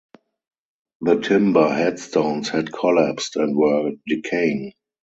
The timber headstones had collapsed and were decaying.